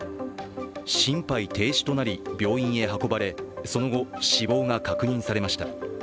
心肺停止となり病院へ運ばれその後、死亡が確認されました。